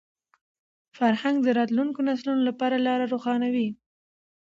فرهنګ د راتلونکو نسلونو لپاره لاره روښانوي.